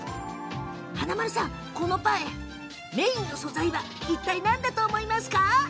華丸さん、このパフェ、メインの素材は何だと思いますか？